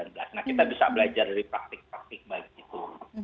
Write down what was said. nah kita bisa belajar dari praktik praktik baik itu